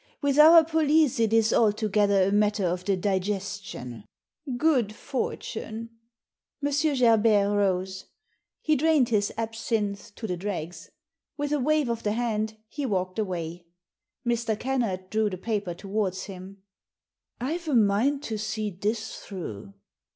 With our police it is altogether a matter of the digestion ! Good fortune !" M. Gerbert rose. He drained his absinthe to the dregs. With a wave of the hand he walked away. Mr. Kennard drew the paper towards him. " I've a mind to see this through."